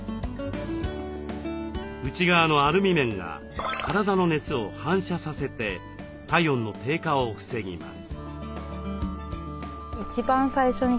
内側のアルミ面が体の熱を反射させて体温の低下を防ぎます。